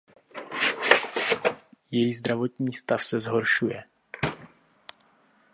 Její zdravotní stav se zhoršuje.